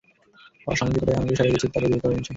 অসামাজিকটায় আমাকে ছাড়িয়েছে যে, তাকেও বের করে এনেছে।